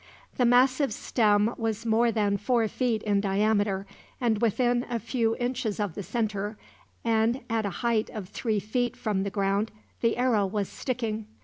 The massive stem was more than four feet in diameter, and within a few inches of the center, and at a height of three feet from the ground, the arrow was sticking.